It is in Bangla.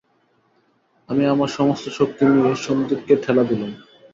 আমি আমার সমস্ত শক্তি নিয়ে সন্দীপকে ঠেলা দিলুম।